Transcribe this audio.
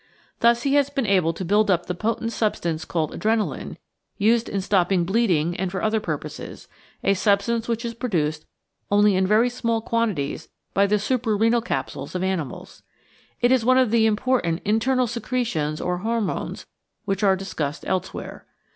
Thus he has been able to build up the potent substance called adrenalin, used in stopping bleeding and for other purposes a substance which is produced only in very small quantities by the suprarenal capsules of animals. It is one of the important "internal secretions" or hormones which are discussed elsewhere.